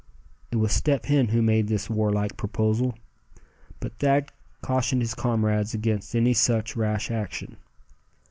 It was Step Hen who made this war like proposal; but Thad cautioned his comrades against any such rash action.